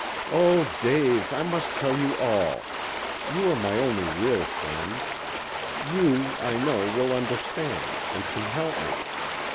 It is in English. "Oh, Dave, I must tell you all. You are my only real friend. You, I know, will understand, and can help me.